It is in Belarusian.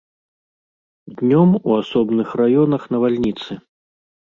Днём у асобных раёнах навальніцы.